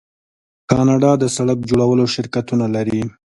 کاناډا د سړک جوړولو شرکتونه لري.